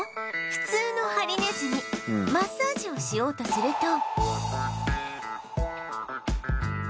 普通のハリネズミマッサージをしようとすると